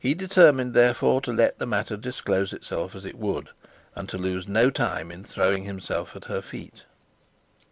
He determined therefore to let that matter disclose itself as it would, and to lose no time in throwing himself at her feet.